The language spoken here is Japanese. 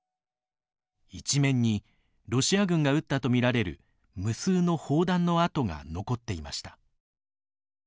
一面にロシア軍が撃ったとみられる無数の砲弾の痕が残っていました。